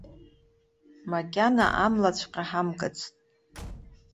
Макьана амлаҵәҟьа ҳамкыцт.